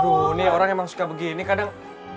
aduh ini orang emang suka begini kadang